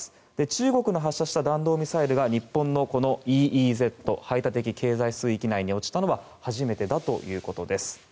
中国の発射した弾道ミサイルが日本のＥＥＺ・排他的経済水域内に落ちたのは初めてだということです。